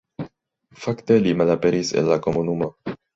Fakte li malaperis el la komunumo.